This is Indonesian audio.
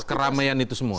pekeramaian itu semua